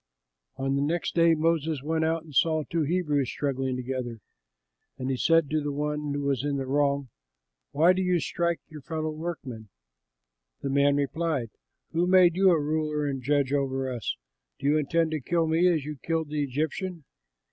On the next day Moses went out, and saw two Hebrews struggling together; and he said to the one who was in the wrong, "Why do you strike your fellow workman?" The man replied, "Who made you a ruler and a judge over us? Do you intend to kill me as you killed the Egyptian?"